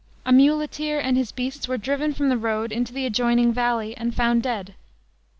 A muleteer and his beasts were driven from the road into the adjoining valley, and found dead.